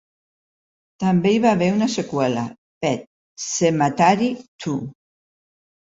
També hi va haver una seqüela, "Pet Sematary Two".